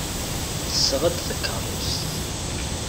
Tesɣa-d takeṛṛust.